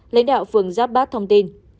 lãnh đạo phường giáp bát thông tin